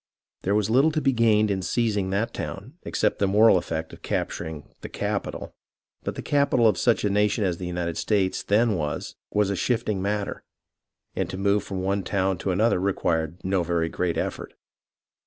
There was little to be gained in seizing that town except in the moral effect of capturing "the capital"; but the capital of such a nation as the United States then was, was a shifting matter, and to move from one town to another required no very great effort.